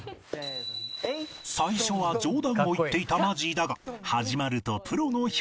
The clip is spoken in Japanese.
最初は冗談を言っていたマジーだが始まるとプロの表情に